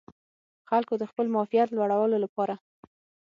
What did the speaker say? خلکو د خپل معافیت لوړولو لپاره